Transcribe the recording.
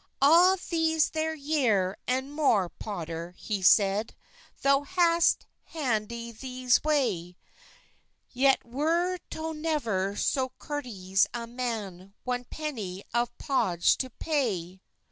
"All thes thre yer, and mor, potter," he seyde, "Thow hast hantyd thes wey, Yet wer tow never so cortys a man One peney of pauage to pay."